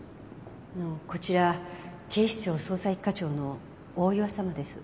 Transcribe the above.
こちら警視庁捜査一課長の大岩様です。